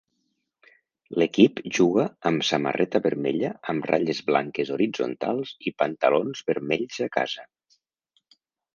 L'equip juga amb samarreta vermella amb ratlles blanques horitzontals i pantalons vermells a casa.